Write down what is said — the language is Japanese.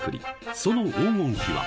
その黄金比は。